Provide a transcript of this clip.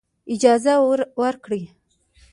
اجازه ورکړي.